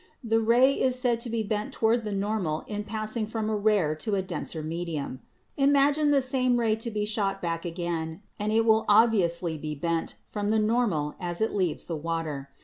The ray is said to be bent toward the normal in passing from a rare to a denser medium. Imagine the same ray to be shot back again, and it will obviously be bent from the normal as it leaves the water.